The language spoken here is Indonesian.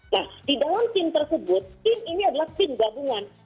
nah di dalam tim tersebut tim ini adalah tim gabungan